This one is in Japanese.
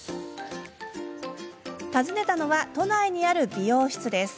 訪ねたのは都内にある美容室です。